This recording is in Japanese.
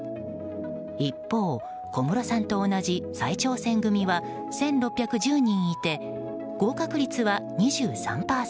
一方、小室さんと同じ再挑戦組は１６１０人いて合格率は２３％。